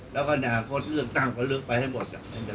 แล้วก็อนาคตเลือกตั้งเขาเลือกไปให้หมด